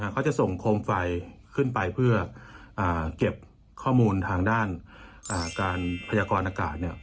เขาจะส่งโคมไฟขึ้นไปเพื่อเก็บข้อมูลทางด้านการพยากรอากาศ